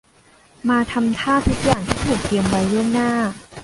มาทำท่าทุกอย่างที่ถูกเตรียมไว้ล่วงหน้า